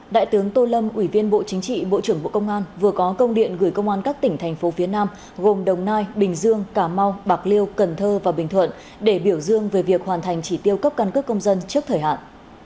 đại tướng tô lâm ủy viên bộ chính trị bộ trưởng bộ công an vừa có công điện gửi công an các tỉnh thành phố phía nam gồm đồng nai bình dương cà mau bạc liêu cần thơ và bình thuận để biểu dương về việc hoàn thành chỉ tiêu cấp căn cước công dân trước thời hạn